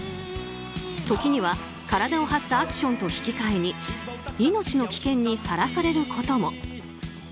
時には体を張ったアクションと引き換えに命の危険にさらされることも。